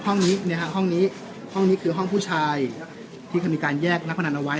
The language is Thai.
ห้องนี้นะฮะห้องนี้ห้องนี้คือห้องผู้ชายที่เขามีการแยกนักพนันเอาไว้